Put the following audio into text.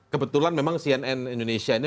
kebetulan memang cnn indonesia ini